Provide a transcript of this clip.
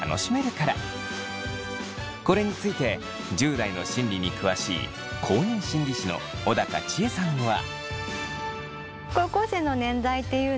これについて１０代の心理に詳しい公認心理師の小高千枝さんは。